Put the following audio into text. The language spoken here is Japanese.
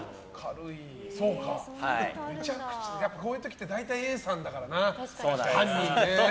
こういう時って大体Ａさんだからな、犯人ね。